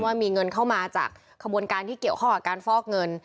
ว่ามีเงินเข้ามากับการเกี่ยวข้อในการฟอกเงิน